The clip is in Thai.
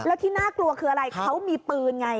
แล้วที่น่ากลัวคืออะไรเขามีปืนไง